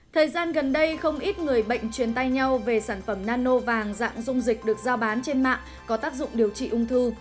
thời gian gần đây không ít người bệnh truyền tay nhau về sản phẩm nano vàng dạng dung dịch được giao bán trên mạng có tác dụng điều trị ung thư